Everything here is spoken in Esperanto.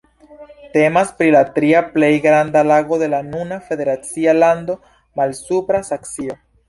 Temas pri la tria plej granda lago de la nuna federacia lando Malsupra Saksio.